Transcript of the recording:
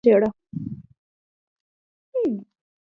علامه حبيبي د پښتو ادب تاریخ وڅیړه.